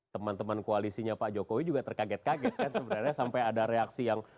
teman teman koalisinya pak jokowi juga terkaget kaget kan sebenarnya sampai ada reaksi yang